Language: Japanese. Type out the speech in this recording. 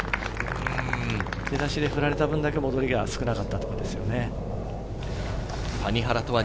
出だしに振られた分だけ、戻りが少なかったというところですね。